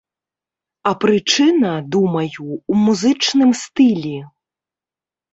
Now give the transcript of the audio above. А прычына, думаю, у музычным стылі.